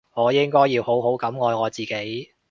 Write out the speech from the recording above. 我應該要好好噉愛我自己